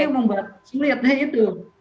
itu yang membuat saya melihatnya itu